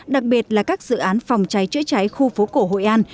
đặc biệt là các dự án phòng cháy chữa cháy khu phố cổ hội an